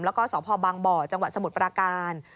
แล้วก็สพบางบ่อจังหวัดสมุทรปราการ